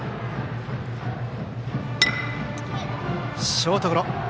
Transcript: ショートゴロ。